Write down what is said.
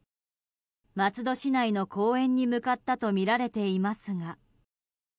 松戸市内の公園に向かったとみられていますが。